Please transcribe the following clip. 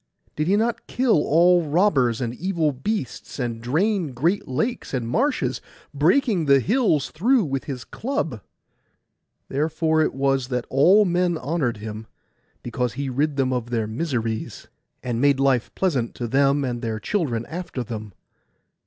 Did he not kill all robbers and evil beasts, and drain great lakes and marshes, breaking the hills through with his club? Therefore it was that all men honoured him, because he rid them of their miseries, and made life pleasant to them and their children after them.